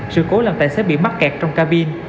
sự cố làm tài xế bị mắc kẹt trong cabin